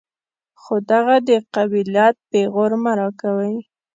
خو دغه د قبيلت پېغور مه راکوئ.